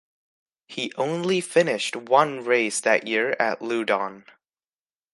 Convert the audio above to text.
He only finished one race that year at Loudon.